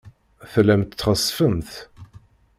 Tellamt txessfemt.